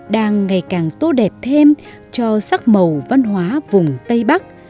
đang ngày càng tô đẹp thêm cho sắc màu văn hóa vùng tây bắc